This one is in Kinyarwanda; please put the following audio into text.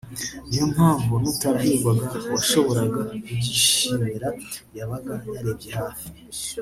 niyo mpamvu n’utarahigwaga washoboraga kubyishimira yabaga yarebye hafi